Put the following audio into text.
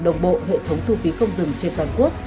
đồng bộ hệ thống thu phí không dừng trên toàn quốc